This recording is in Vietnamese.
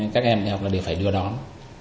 các em đi học là đều phải đưa đón